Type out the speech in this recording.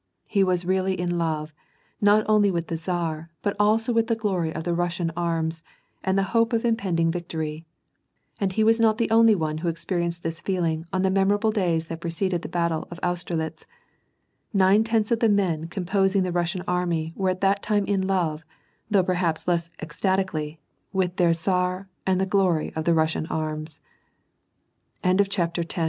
He was really in love, not only with the tsar, but also with the glory of the Russian arms, and the hope of im pending victory. And he was not the only one who experi enced this feeling on the memorable days that preceded the battle of Austerlitz : nine tenths of the men composing the Bussian army were at that time in love^ though perhaps less ecstatically,